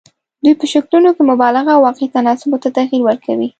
دوی په شکلونو کې مبالغه او واقعي تناسبونو ته تغیر ورکول.